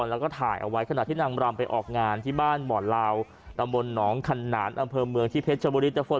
เราก็ถ่ายเอาไว้ขณะที่นางรำไปออกงานที่บ้านบ่อนลาวนามบนน้องขนนานอำเภอเมืองที่เพชรชบดีเตฟน